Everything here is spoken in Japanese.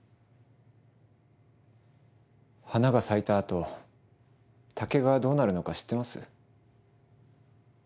花が咲いたあと竹がどうなるのか知ってます？